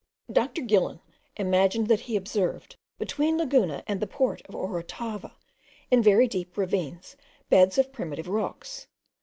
Doctor Gillan imagined that he observed, between Laguna and the port of Orotava, in very deep ravines, beds of primitive rocks.